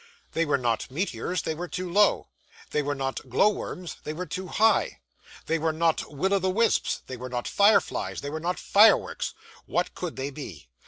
They were not meteors; they were too low. They were not glow worms; they were too high. They were not will o' the wisps; they were not fireflies; they were not fireworks. What could they be?